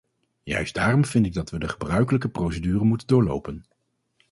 Juist daarom vind ik dat we de gebruikelijke procedure moeten doorlopen.